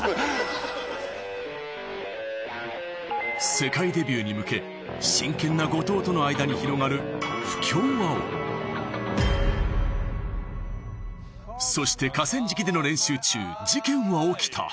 世界デビューに向け真剣な後藤との間に広がるそして河川敷での練習中事件は起きた